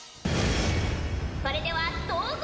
それではどうぞ。